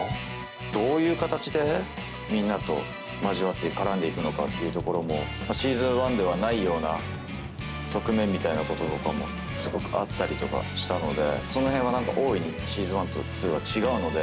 どういう形でみんなと交わって絡んでいくのかというところもシーズン１では、ないような側面みたいなこととかもすごくあったりとかしたのでその辺は大いにシーズン１と２は違うので。